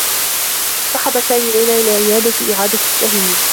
اصطحب سامي ليلى إلى عيادة إعادة تأهيل.